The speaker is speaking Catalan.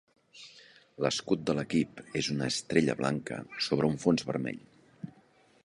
L'escut de l'equip és una estrella blanca sobre un fons vermell.